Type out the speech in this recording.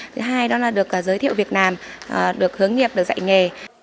thứ hai đó là được giới thiệu việc làm được hướng nghiệp được dạy nghề